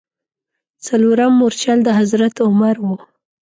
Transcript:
څلورم مورچل د حضرت عمر و.